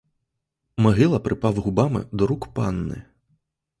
Могила припав губами до рук панни.